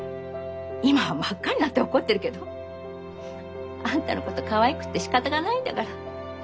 今は真っ赤になって怒ってるけどあんたのことかわいくてしかたがないんだから。